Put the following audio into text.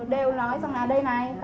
đều nói rằng là đây này